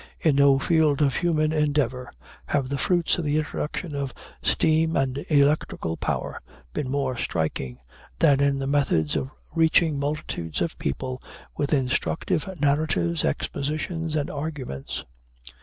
In no field of human endeavor have the fruits of the introduction of steam and electrical power been more striking than in the methods of reaching multitudes of people with instructive narratives, expositions, and arguments.